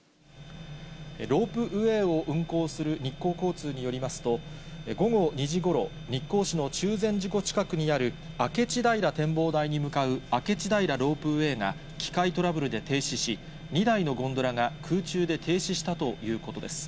ロープウェイを運行する日光交通によりますと、午後２時ごろ、日光市の中禅寺湖近くにある明智平展望台に向かう明智平ロープウェイが、機械トラブルで停止し、２台のゴンドラが空中で停止したということです。